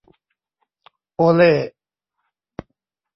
โอเลย์